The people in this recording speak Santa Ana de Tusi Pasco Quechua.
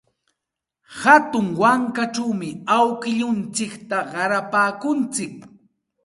Hatun wankachawmi awkilluntsikta qarapaakuntsik.